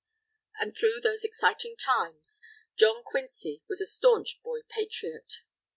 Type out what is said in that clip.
And through those exciting times, John Quincy was a staunch boy patriot.